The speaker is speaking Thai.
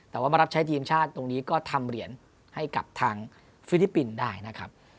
แต่ว่ามารับใช้ทีมชาติตรงนี้ก็ทำเหรียญให้กับทางฟิลิปปินส์ได้นะครับ